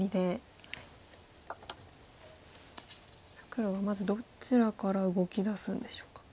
黒はまずどちらから動きだすんでしょうか。